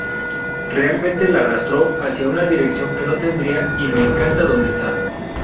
Realmente la arrastró hacia una dirección que no tendría, y me encanta donde está".